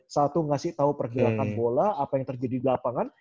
satu ngasih tahu pergerakan bola apa yang terjadi di lapangan